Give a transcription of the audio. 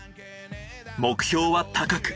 目標は高く！